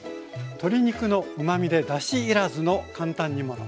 鶏肉のうまみでだし要らずの簡単煮物。